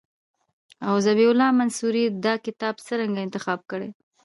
او ذبیح الله منصوري دا کتاب څرنګه انتخاب کړی.